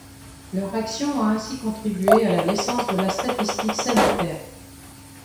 Leur action a ainsi contribué à la naissance de la statistique sanitaire.